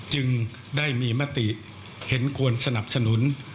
จึงได้มีมติเห็นควรสนับสนุน